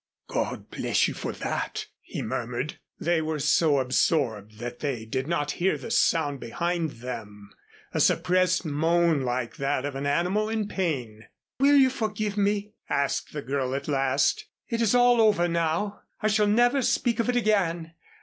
"God bless you for that," he murmured. They were so absorbed that they did not hear the sound behind them a suppressed moan like that of an animal in pain. "Will you forgive me?" asked the girl, at last. "It is all over now. I shall never speak of it again.